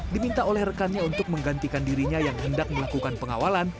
diminta oleh rekannya untuk menggantikan dirinya yang hendak melakukan pengawalan